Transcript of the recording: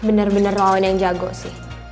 bener bener rawan yang jago sih